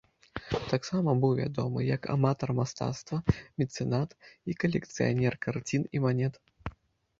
Таксама быў вядомы як аматар мастацтва, мецэнат і калекцыянер карцін і манет.